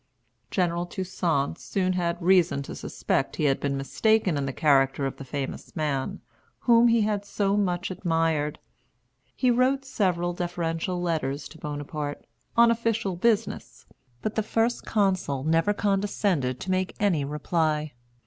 General Toussaint soon had reason to suspect he had been mistaken in the character of the famous man, whom he had so much admired. He wrote several deferential letters to Bonaparte, on official business; but the First Consul never condescended to make any reply.